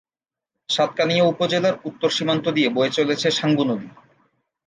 সাতকানিয়া উপজেলার উত্তর সীমান্ত দিয়ে বয়ে চলেছে সাঙ্গু নদী।